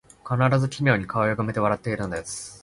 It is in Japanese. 必ず奇妙に顔をゆがめて笑っているのです